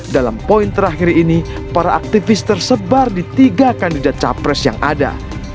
dalam poin terakhir ini para aktivis tersebar di tiga kandidat capres yang ada